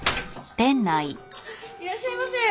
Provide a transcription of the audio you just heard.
あっいらっしゃいませ。